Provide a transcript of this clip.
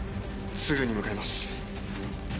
すぐに向かいます。